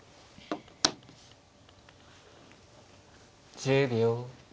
１０秒。